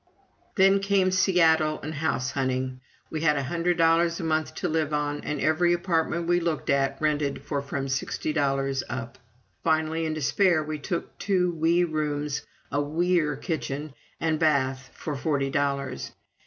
Then came Seattle and house hunting. We had a hundred dollars a month to live on, and every apartment we looked at rented for from sixty dollars up. Finally, in despair, we took two wee rooms, a wee er kitchen, and bath, for forty dollars.